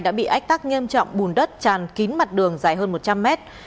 đã bị ách tắc nghiêm trọng bùn đất tràn kín mặt đường dài hơn một trăm linh mét